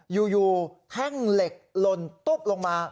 อยู่แท่งเหล็กหล่นตุ๊บลงมา